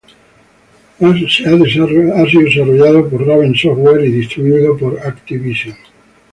Ha sido desarrollado por Raven Software y distribuido por Activision.